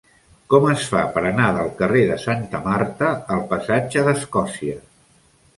Com es fa per anar del carrer de Santa Marta al passatge d'Escòcia?